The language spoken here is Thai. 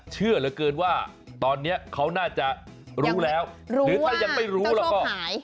เชื่อเหลือเกินว่าตอนนี้เขาน่าจะรู้แล้วหรือถ้ายังไม่รู้แล้วก็หาย